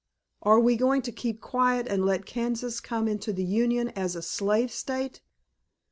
Are we going to keep quiet and let Kansas come into the Union as a slave State?"